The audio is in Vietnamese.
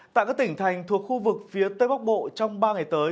tại các tỉnh thành thuộc khu vực phía tây bắc bộ trong ba ngày tới